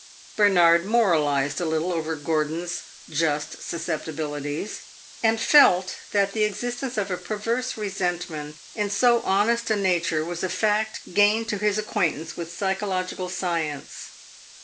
Bernard moralized a little over Gordon's "just susceptibilities," and felt that the existence of a perverse resentment in so honest a nature was a fact gained to his acquaintance with psychological science.